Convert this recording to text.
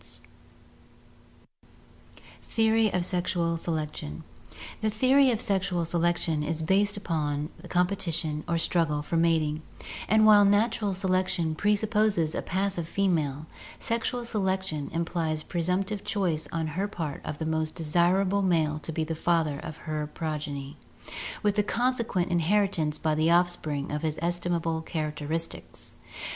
SEXUAL AND ARTIFICIAL SELECTION 121 Theory of Sexual Selection The theory of sexual selection is based upon the competition or struggle for mating, and while natural selection presupposes a passive female, sexual selection implies presumptive choice on hei part of the most desirable male to be the father of her progeny, with the consequent inheritance by the offspring of his estimable characteristics.